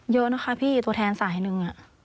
เยอะนะคะพี่ตัวแทนสายหนึ่ง